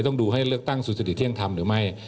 ต้องดูให้เลือกตั้งสุจริตเที่ยงธรรมหรือไม่